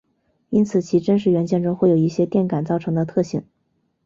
因此其真实元件中会有一些电感造成的特性。